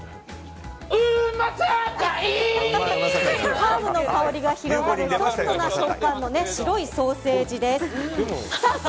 ハーブの香りが広がるソフトな食感の白いソーセージです。